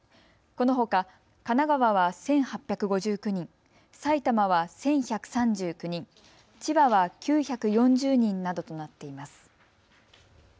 このほか神奈川は１８５９人、埼玉は１１３９人、千葉は９４０人などとなっています。